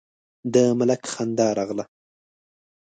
د ملک خندا راغله: